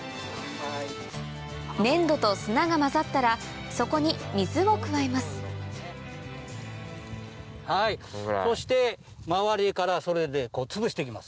粘土と砂が混ざったらそこに水を加えますそして周りからそれでつぶして行きます。